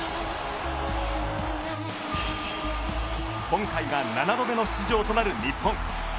今回が７度目の出場となる日本。